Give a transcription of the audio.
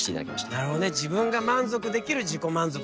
なるほどね自分が満足できる自己満足の方なんだね。